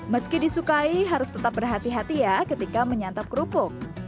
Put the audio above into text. meski disukai harus tetap berhati hati ya ketika menyantap kerupuk